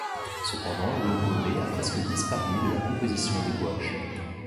Cependant l'eau gommée a presque disparu de la composition des gouaches.